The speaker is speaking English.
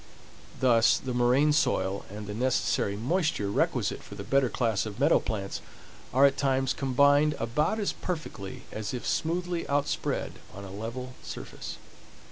Thus the moraine soil and the necessary moisture requisite for the better class of meadow plants are at times combined about as perfectly as if smoothly outspread on a level surface.